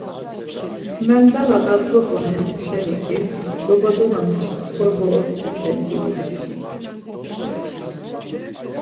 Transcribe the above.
Mendalu na bzop̌on hemuşeni ki, dobadona muşis korba ozğu şeni gulut̆u.